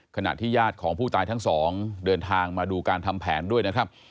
ขณะที่ญาติของผู้ตายทั้งสองเดินทางมาดูการทำแผนด้วยนะครับ